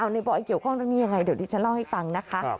ในบอยเกี่ยวข้องเรื่องนี้ยังไงเดี๋ยวดิฉันเล่าให้ฟังนะคะ